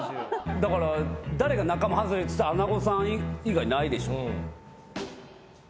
だから誰が仲間外れっつったら穴子さん以外ないでしょ。